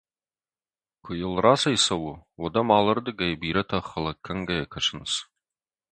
Куы йыл рацӕйцӕуы, уӕд ӕм алырдыгӕй бирӕтӕ хӕлӕг кӕнгӕйӕ кӕсынц...